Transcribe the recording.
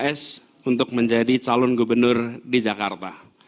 pks untuk menjadi calon gubernur di jakarta